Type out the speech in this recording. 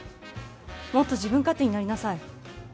もっと自分勝手になりなさい。